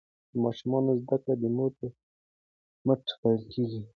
د ماشومانو زده کړې د مور په مټو پیل کیږي.